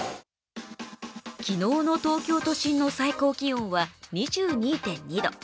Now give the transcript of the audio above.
昨日の東京都心の最高気温は２２．２度。